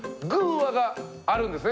話があるんですね。